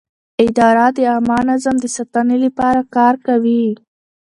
اداره د عامه نظم د ساتنې لپاره کار کوي.